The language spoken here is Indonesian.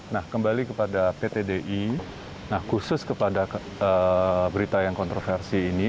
nah kembali kepada ptdi khusus kepada berita yang kontroversi ini